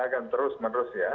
kan terus menerus ya